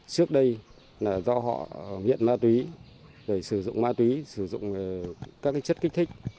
trước đây là do họ nghiện ma túy để sử dụng ma túy sử dụng các chất kích thích